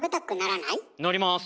なります。